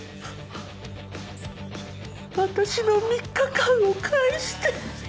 私の３日間を返して。